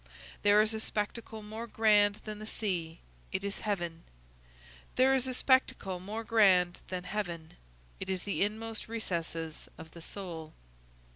There is a spectacle more grand than the sea; it is heaven: there is a spectacle more grand than heaven; it is the inmost recesses of the soul.